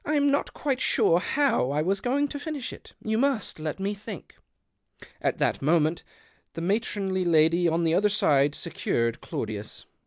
I'm not quite sure how I was going to finish it : you must let me think." At that moment the matronly lady on the other side secured Claudius.